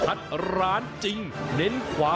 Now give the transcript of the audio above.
สวัสดีครับคุณพี่สวัสดีครับ